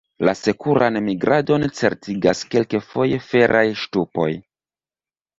La sekuran migradon certigas kelkfoje feraj ŝtupoj.